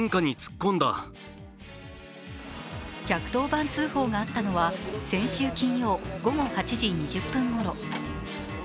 １１０番通報があったのは先週金曜、午後８時２０分ごろ。